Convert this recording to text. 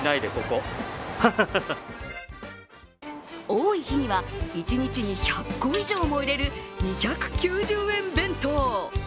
多い日には一日に１００個以上も売れる２９０円弁当。